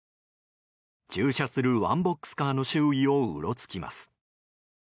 駐車するワンボックスカーの周囲をうろつきます。